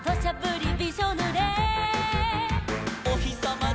「おひさま